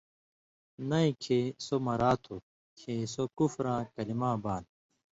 نَیں کھیں سو مَرا تھُو کھیں سو کُفراں کلیۡماں بان